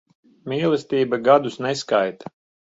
Mīlestība gadus neskaita.